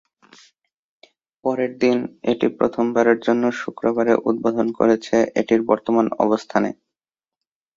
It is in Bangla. পরের দিন, এটি প্রথমবারের জন্য শুক্রবারে উদ্বোধন করেছে এটির বর্তমান অবস্থানে।